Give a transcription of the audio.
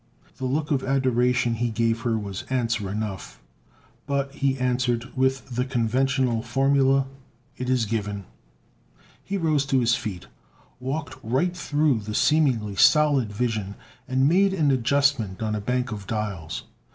The look of adoration he gave her was answer enough, but he answered with the conventional formula, "It is given." He rose to his feet, walked right through the seemingly solid vision and made an adjustment on a bank of dials.